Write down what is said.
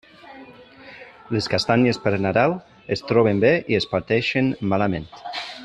Les castanyes per Nadal es troben bé i es parteixen malament.